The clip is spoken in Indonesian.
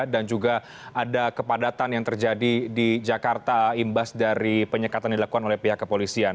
dan juga ada kepadatan yang terjadi di jakarta imbas dari penyekatan dilakukan oleh pihak kepolisian